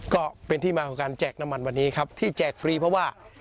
ก็เป็นที่มาของการแจกน้ำมันวันนี้ครับที่แจกฟรีเพราะว่า